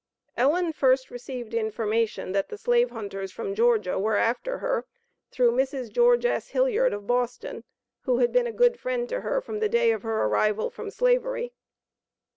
Ellen first received information that the slave hunters from Georgia were after her through Mrs. Geo. S. Hilliard, of Boston, who had been a good friend to her from the day of her arrival from slavery.